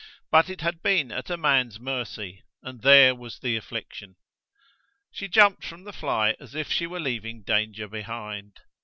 But it had been at a man's mercy, and there was the affliction. She jumped from the fly as if she were leaving danger behind.